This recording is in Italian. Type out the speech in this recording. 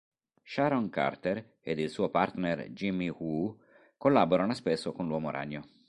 Sharon Carter ed il suo partner Jimmy Woo collaborano spesso con l'Uomo Ragno.